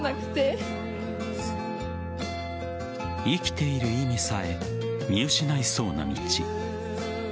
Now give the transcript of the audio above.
生きている意味さえ見失いそうな道。